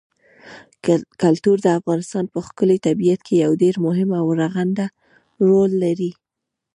کلتور د افغانستان په ښکلي طبیعت کې یو ډېر مهم او رغنده رول لري.